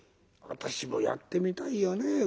私もやってみたいよね